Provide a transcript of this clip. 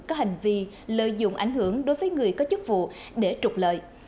có hành vi lợi dụng ảnh hưởng đối với người có chức vụ để trục lợi